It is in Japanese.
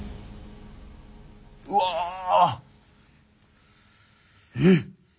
うわ！えっ！